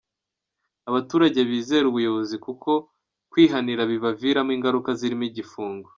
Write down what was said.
Abaturage bizere ubuyobozi kuko kwihanira bibaviramo ingaruka zirimo igifungo.